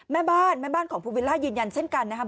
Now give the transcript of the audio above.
แม่บ้านแม่บ้านของภูวิลล่ายืนยันเช่นกันนะครับ